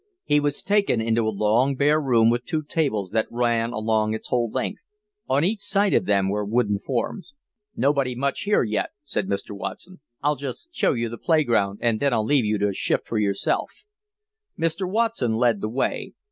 He was taken into a long, bare room with two tables that ran along its whole length; on each side of them were wooden forms. "Nobody much here yet," said Mr. Watson. "I'll just show you the playground, and then I'll leave you to shift for yourself." Mr. Watson led the way.